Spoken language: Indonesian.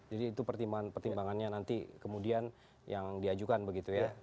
jadi itu pertimbangannya nanti kemudian yang diajukan begitu ya